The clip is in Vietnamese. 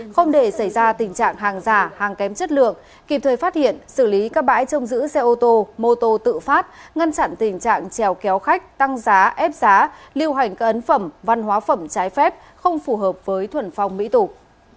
không để xảy ra tình trạng hàng giả hàng kém chất lượng kịp thời phát hiện xử lý các bãi trông giữ xe ô tô mô tô tự phát ngăn chặn tình trạng trèo kéo khách tăng giá ép giá lưu hành các ấn phẩm văn hóa phẩm trái phép không phù hợp với thuần phong mỹ tục